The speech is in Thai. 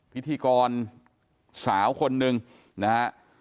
พิธีกรสาวคนหนึ่งนะครับ